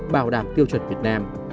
bảo đảm tiêu chuẩn việt nam